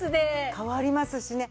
変わりますしね。